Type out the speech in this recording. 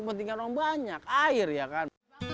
kepentingan orang banyak air ya kan